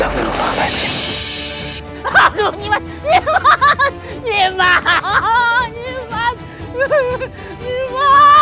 kiri kaga gerbang